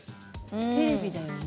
テレビだよね？